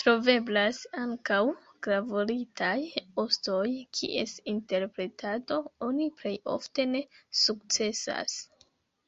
Troveblas ankaŭ gravuritaj ostoj, kies interpretado oni plej ofte ne sukcesas.